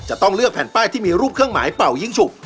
จะต้องเลือกแผ่นป้ายที่มีรูปเครื่องหมายเป่ายิ้งฉุก